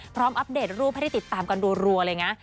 อัปเดตรูปให้ได้ติดตามกันรัวเลยนะ